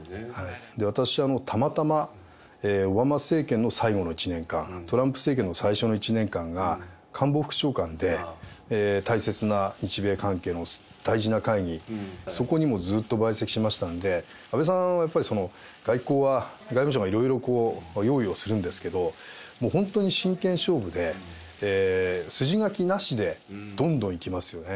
私はたまたまオバマ政権の最後の１年間、トランプ政権の最初の１年間が官房副長官で、大切な日米関係の大事な会議、そこにもずっと陪席しましたんで、安倍さんはやっぱり外交は、外務省がいろいろ用意をするんですけど、もう本当に真剣勝負で、筋書きなしでどんどんいきますよね。